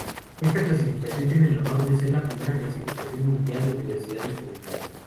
Esta clasificación tiene el honor de ser la primera clasificación mundial de universidades publicada.